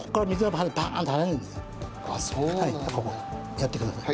やってください。